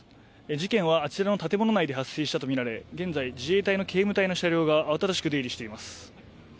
事件はあちらの建物内で発生したとみられ現在自衛隊の警務隊の車両が慌ただしく出入りしています。